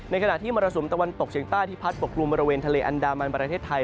ขณะที่มรสุมตะวันตกเฉียงใต้ที่พัดปกลุ่มบริเวณทะเลอันดามันประเทศไทย